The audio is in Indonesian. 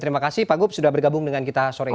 terima kasih pak gup sudah bergabung dengan kita sore ini